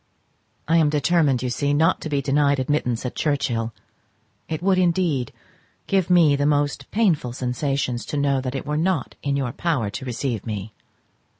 I am determined, you see, not to be denied admittance at Churchhill. It would indeed give me most painful sensations to know that it were not in your power to receive me.